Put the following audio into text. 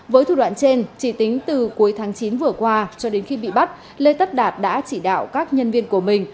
với thủ đoạn trên chỉ tính từ cuối tháng chín vừa qua cho đến khi bị bắt lê tất đạt đã chỉ đạo các nhân viên của mình